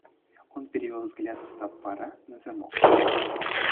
Он перевел взгляд с топора на замок.